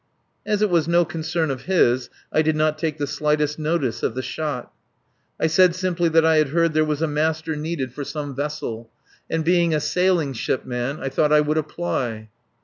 As it was no concern of his I did not take the slightest notice of the shot. I said simply that I had heard there was a master needed for some vessel, and being a sailing ship man I thought I would apply.